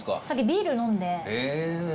さっきビール飲んで。